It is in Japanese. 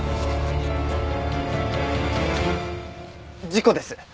事故です。